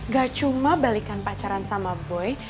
gak cuma balikan pacaran sama boy